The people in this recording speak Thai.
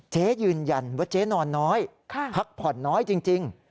เจ๊ยืนยันว่าเจ๊นอนน้อยพักผ่อนน้อยจริง